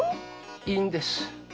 いいんです。